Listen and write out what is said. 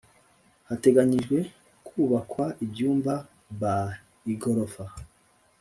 Hateganyijwe Kubakwa Ibyumba By Igorofa